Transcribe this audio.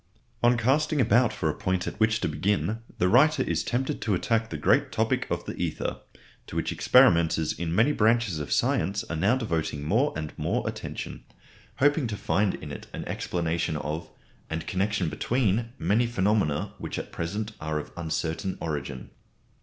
On casting about for a point at which to begin, the writer is tempted to attack the great topic of the ether, to which experimenters in many branches of science are now devoting more and more attention, hoping to find in it an explanation of and connection between many phenomena which at present are of uncertain origin.